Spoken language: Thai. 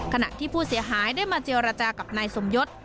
ขณะที่ผู้เสียหายได้มาเจรจากับนายสมยศ